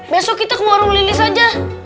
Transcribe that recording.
besok kita ke warung lili saja